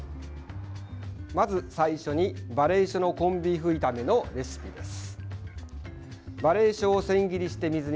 まず最初に、ばれいしょのコンビーフ炒めのレシピです。